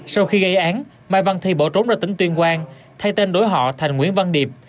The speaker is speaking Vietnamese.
sau khi gây án mai văn thi bỏ trốn ra tỉnh tuyên quang thay tên đổi họ thành nguyễn văn điệp